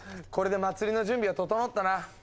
これで祭りの準備は整ったな。